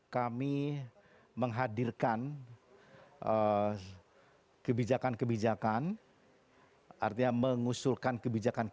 kita ikuti dan kita sambut kotak